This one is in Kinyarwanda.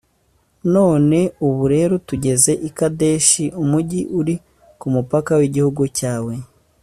none ubu rero tugeze i kadeshi, umugi uri ku mupaka w’igihugu cyawe.